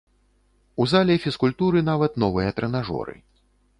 У зале фізкультуры нават новыя трэнажоры.